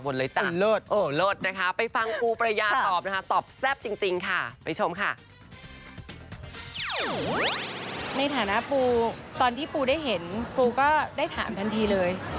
พูดได้เห็นปูก็ได้ถามทันทีเลย